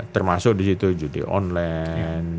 termasuk disitu judi online